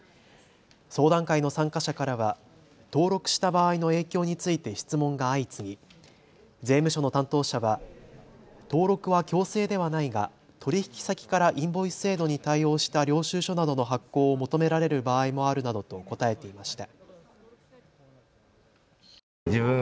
相談会の参加者からは登録した場合の影響について質問が相次ぎ税務署の担当者は登録は強制ではないが取引先からインボイス制度に対応した領収書などの発行を求められる場合もあるなどと答えていました。